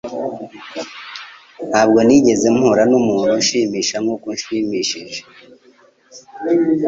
Ntabwo nigeze mpura numuntu unshimisha nkuko unshimishije.